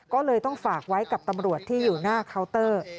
ก็เลยต้องฝากไว้กับตำรวจที่อยู่หน้าเคาน์เตอร์